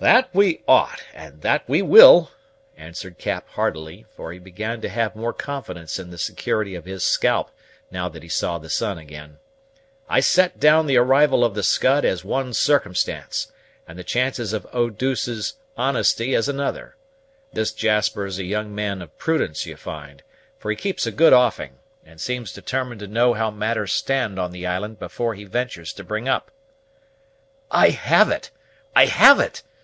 "That we ought, and that we will," answered Cap heartily; for he began to have more confidence in the security of his scalp now that he saw the sun again. "I set down the arrival of the Scud as one circumstance, and the chances of Oh deuce's honesty as another. This Jasper is a young man of prudence, you find; for he keeps a good offing, and seems determined to know how matters stand on the island before he ventures to bring up." "I have it! I have it!"